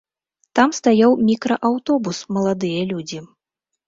Там стаяў мікрааўтобус, маладыя людзі.